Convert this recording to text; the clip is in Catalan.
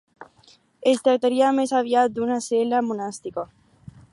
Es tractaria més aviat d'una cel·la monàstica.